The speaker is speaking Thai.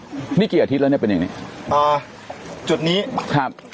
นี่เกี่ยวกี่อาทิตย์แล้วเนี้ยเป็นยังไงอ่าจุดนี้ครับ